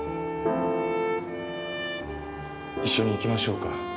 一緒に行きましょうか？